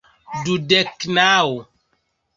Dudek naŭ